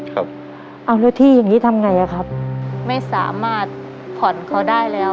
ครับเอาแล้วที่อย่างงี้ทำไงอ่ะครับไม่สามารถผ่อนเขาได้แล้ว